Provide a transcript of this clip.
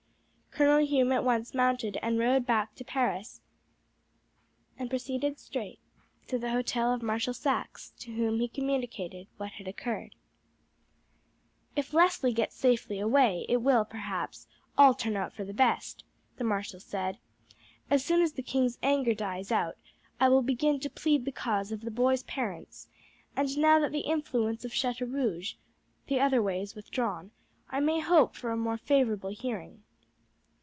Colonel Hume at once mounted and rode back to Paris and proceeded straight to the hotel of Marshal Saxe, to whom he communicated what had occurred. "If Leslie gets safely away it will, perhaps, all turn out for the best," the marshal said. "As soon as the king's anger dies out I will begin to plead the cause of the boy's parents; and now that the influence of Chateaurouge the other way is withdrawn, I may hope for a more favourable hearing.